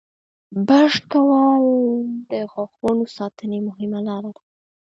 • برش کول د غاښونو ساتنې مهمه لاره ده.